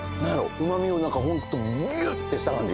うまみをなんか本当ギュッてした感じ